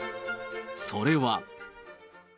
それは。